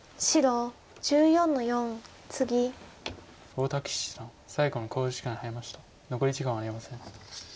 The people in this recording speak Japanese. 大竹七段最後の考慮時間に入りました。